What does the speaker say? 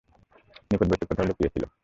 নিকটবর্তী কোথাও লুকিয়ে ছিল।